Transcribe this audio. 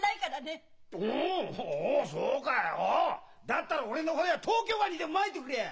だったら俺の骨は東京湾にでもまいてくれ！